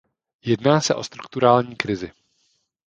Jedná se o strukturální krizi.